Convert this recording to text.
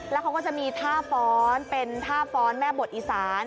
แล้วเขาก็จะมีท่าฟ้อนเป็นท่าฟ้อนแม่บทอีสาน